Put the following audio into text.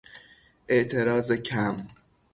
اعتراض کم